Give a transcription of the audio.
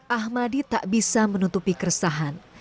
ahmadi tak bisa menutupi keresahan